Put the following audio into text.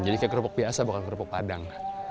jadi kayak kerupuk biasa bukan kerupuk padang